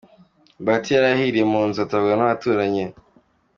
Bahati yari ahiriye mu nzu atabarwa nabaturanyi